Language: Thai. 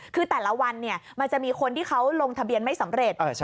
คือแต่ละวันมันจะมีคนที่เขาลงทะเบียนไม่สำเร็จ